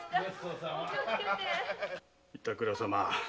板倉様